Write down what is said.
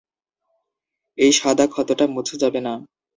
এই সাদা ক্ষতটা মোছা যাবে না।